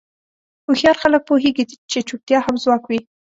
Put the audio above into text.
هوښیار خلک پوهېږي چې چوپتیا هم ځواب وي.